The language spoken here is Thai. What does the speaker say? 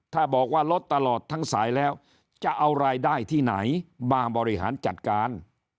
ถ้าบอกว่าลดตลอดทั้งสายแล้วจะเอารายได้ที่ไหนมาบริหารจัดการ